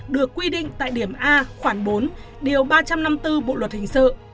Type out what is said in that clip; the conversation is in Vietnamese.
được quy định tại điểm a khoảng bốn điều ba trăm năm mươi bốn bộ luật hình sự